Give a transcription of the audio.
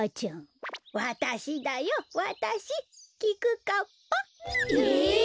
わたしだよわたしきくかっぱ。え？